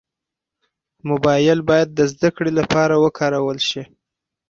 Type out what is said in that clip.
موبایل باید د زدهکړې لپاره وکارول شي.